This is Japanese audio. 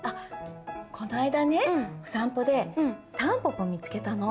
こないだねお散歩でタンポポ見つけたの。